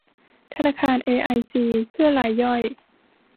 ธนาคารเอไอจี เพื่อรายย่อย